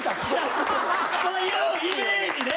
そういうイメージね。